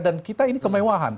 dan kita ini kemewahan